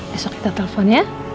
besok kita telepon ya